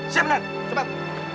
siap menan cepat